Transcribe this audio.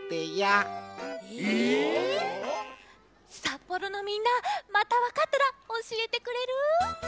札幌のみんなまたわかったらおしえてくれる？